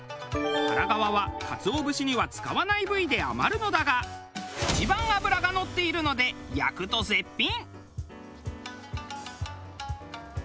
腹皮はカツオ節には使わない部位で余るのだが一番脂がのっているので焼くと絶品！